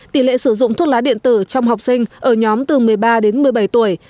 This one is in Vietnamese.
tỷ lệ sử dụng thuốc lá điện tử trong học sinh ở nhóm từ một mươi ba đến một mươi bảy tuổi